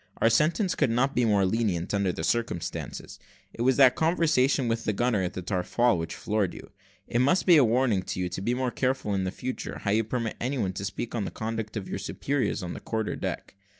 Our sentence could not be more lenient, under the circumstances: it was that conversation with the gunner at the taffrail which floored you. It must be a warning to you to be more careful in future, how you permit any one to speak of the conduct of your superiors on the quarter deck.